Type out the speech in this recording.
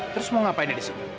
terus mau ngapain di sini